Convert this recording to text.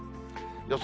予想